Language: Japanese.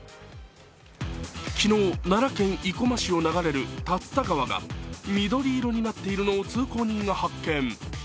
昨日、奈良県生駒市を流れる竜田川が緑色になっているのを通行人が発見。